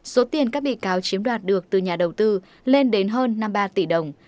số tiền các bị cáo chiếm đoạt được từ nhà đầu tư lên đến hơn năm mươi ba tỷ đồng